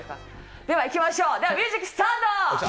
ではいきましょう、ではミュージックスタート。